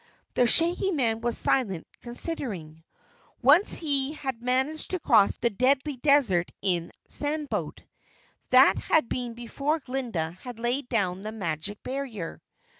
The Shaggy Man was silent considering. Once he had managed to cross the Deadly Desert in a sandboat that had been before Glinda had laid down the magic barrier.